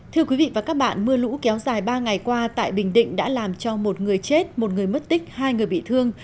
thưa quý vị và các bạn mưa lũ kéo dài ba ngày qua tại bình định đã làm cho một người chết một người mất tích hai người bị thương